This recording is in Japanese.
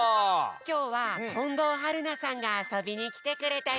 きょうは近藤春菜さんがあそびにきてくれたよ。